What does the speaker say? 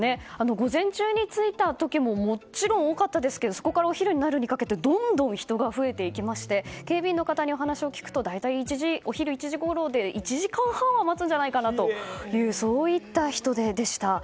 午前中に着いた時ももちろん多かったですがそこからお昼になるにかけてどんどん人が増えていきまして警備員の方にお話を聞くと大体お昼１時ごろで１時間半は待つんじゃないかという人出でした。